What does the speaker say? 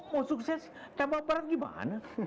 mau sukses tambah berat gimana